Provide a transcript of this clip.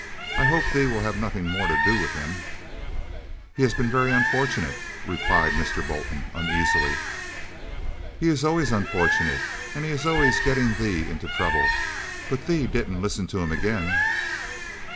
I hope thee will have nothing more to do with him." "He has been very unfortunate," replied Mr. Bolton, uneasily. "He is always unfortunate, and he is always getting thee into trouble. But thee didn't listen to him again?"